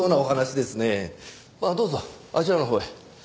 まあどうぞあちらのほうへ。